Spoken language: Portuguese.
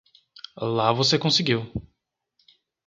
Lá você conseguiu!